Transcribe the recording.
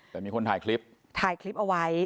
แต่มีคนถ่ายคลิปถ่ายคลิปเอาไว้